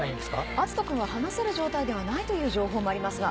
篤斗君は話せる状態ではないという情報もありますが？